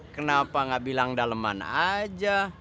kenapa gak bilang daleman aja